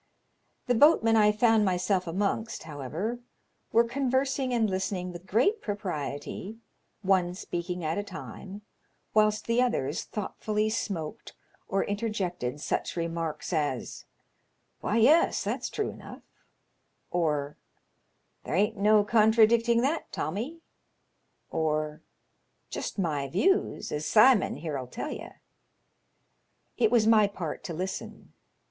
The boatmen I found myself amongst, however, were conversing and listening with great propriety, one speaking at a time, whilst the others ^LONGSHOREMAN'S TARNS, 147 thonghtfally smoked or interjected such remarks as, Why yes, that's true enough,*' or " There ain't no contradicting that, Tommy," or " Jest my views, as Simon here'll tell ye." It was my part to listen.